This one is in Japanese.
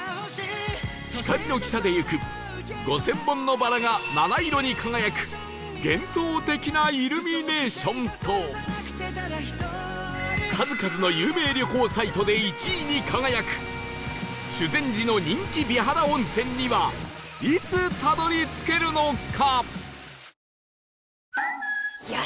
光の汽車で行く５０００本のバラが七色に輝く幻想的なイルミネーションと数々の有名旅行サイトで１位に輝く修善寺の人気美肌温泉にはいつたどり着けるのか？